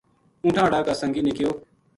اونٹھاں ہاڑا کا سنگی نے کہیو